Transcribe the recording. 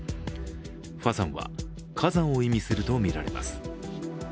ファサンは火山を意味するとみられます。